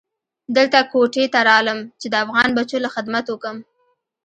دلته کوټې ته رالم چې د افغان بچو له خدمت اوکم.